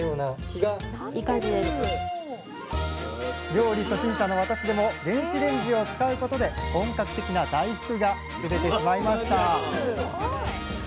料理初心者の私でも電子レンジを使うことで本格的な大福がつくれてしまいました！